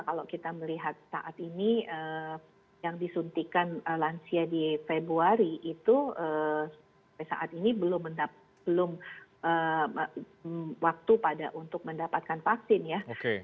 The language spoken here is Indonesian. kalau kita melihat saat ini yang disuntikan lansia di februari itu sampai saat ini belum waktu pada untuk mendapatkan vaksin ya